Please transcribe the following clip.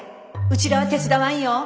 うちらは手伝わんよ。